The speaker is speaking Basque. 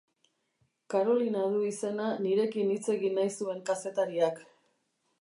Karolina du izena nirekin hitz egin nahi zuen kazetariak.